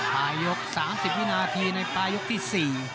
ปลายยก๓๐วินาทีในปลายกที่๔